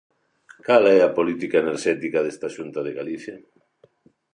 ¿Cal é a política enerxética desta Xunta de Galicia?